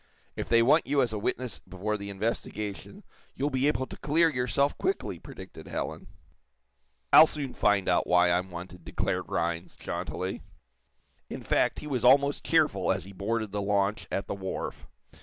"If they want you as a witness before the investigation, you'll be able to clear yourself quickly." predicted Helen. "I'll soon find out why I'm wanted," declared Rhinds, jauntily. In fact, he was almost cheerful as he boarded the launch at the wharf.